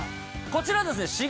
こちらですね